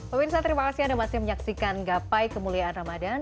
pak pirsah terima kasih anda masih menyaksikan gapai kemuliaan ramadhan